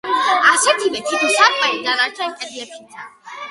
ასეთივე თითო სარკმელი დანარჩენ კედლებშიცაა.